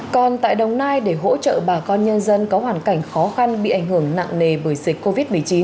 còn tại đồng nai để hỗ trợ bà con nhân dân có hoàn cảnh khó khăn bị ảnh hưởng nặng nề bởi dịch covid một mươi chín